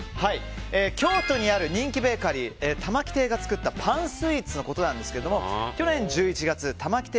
京都にある人気ベーカリーたま木亭が作ったパンスイーツのことですが去年１１月たま